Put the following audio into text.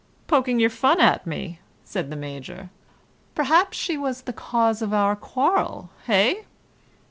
"Poking your fun at me," said the Major. "Perhaps she was the cause of our quarrel, hey?